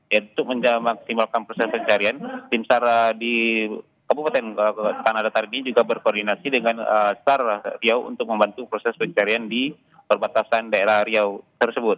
yaitu memaksimalkan proses pencarian tim sar di kabupaten tanah datar ini juga berkoordinasi dengan sar riau untuk membantu proses pencarian di perbatasan daerah riau tersebut